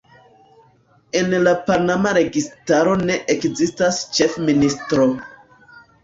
En la panama registaro ne ekzistas ĉefministro.